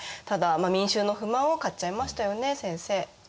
ただ民衆の不満を買っちゃいましたよね先生。